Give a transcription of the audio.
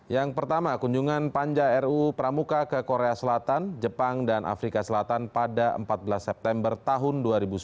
yang pertama kunjungan panja ru pramuka ke korea selatan jepang dan afrika selatan pada empat belas september tahun dua ribu sembilan belas